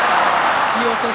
突き落とし。